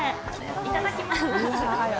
いただきます。